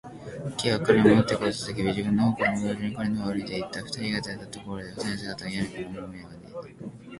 Ｋ は彼にもどってこいと叫び、自分のほうからも同時に彼のほうへ歩いていった。二人が出会ったところでは、二人の姿は宿屋からはもう見えなくなっていた。